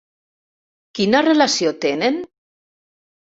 Quina relació tenen?